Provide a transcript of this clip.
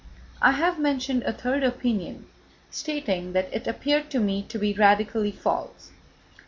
I have mentioned a third opinion, stating that it appeared to me to be radically false.